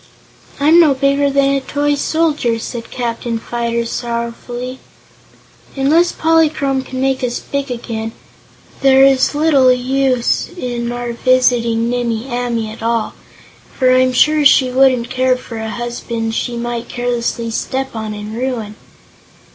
"I'm no bigger than a toy soldier!" said Captain Fyter, sorrowfully. "Unless Polychrome can make us big again, there is little use in our visiting Nimmie Amee at all, for I'm sure she wouldn't care for a husband she might carelessly step on and ruin."